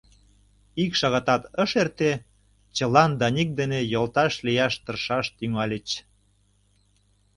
Ик шагатат ыш эрте, чылан Даник дене йолташ лияш тыршаш тӱҥальыч.